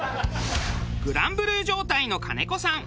『グラン・ブルー』状態の金子さん。